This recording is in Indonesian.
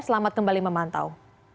selamat kembali memantau